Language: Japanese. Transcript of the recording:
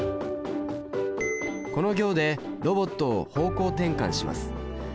この行でロボットを方向転換します。